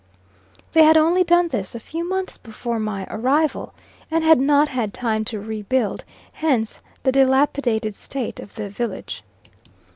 They had only done this a few months before my arrival and had not had time to rebuild, hence the dilapidated state of the village.